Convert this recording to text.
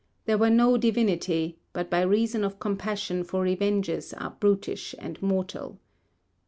There were no divinity, but by reason of compassion for revenges are brutish and mortal.